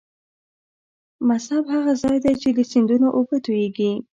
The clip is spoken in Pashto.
مصب هغه ځاي دې چې د سیندونو اوبه تویږي.